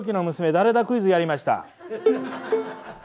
誰だクイズやりました。